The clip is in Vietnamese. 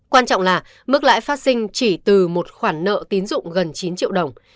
quan trọng là mức lãi phát sinh chỉ từ một khoản nợ tín dụng gần chín triệu đồng